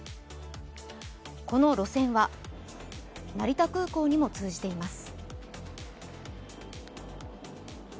この路線は、成田空港にも通じています。